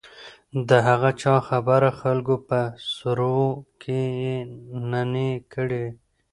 د هغه چا خبره خلکو په سروو کې يې نينې کړې .